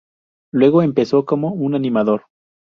Luego empezó como un animador.